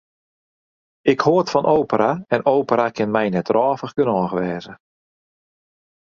Ik hâld fan opera en opera kin my net drôvich genôch wêze.